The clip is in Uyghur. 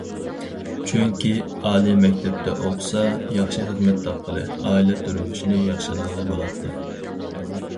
چۈنكى ئالىي مەكتەپتە ئوقۇسا ياخشى خىزمەت تاپقىلى، ئائىلە تۇرمۇشىنى ياخشىلىغىلى بولاتتى.